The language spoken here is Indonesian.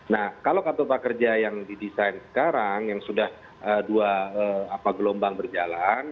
nah kalau kartu prakerja yang didesain sekarang yang sudah dua gelombang berjalan